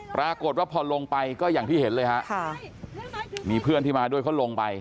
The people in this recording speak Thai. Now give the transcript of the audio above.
ปรากฏว่าพอลงไปก็อย่างที่เห็นเลยฮะค่ะมีเพื่อนที่มาด้วยเขาลงไป